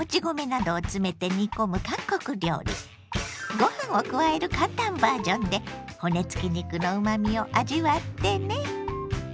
ご飯を加える簡単バージョンで骨付き肉のうまみを味わってね。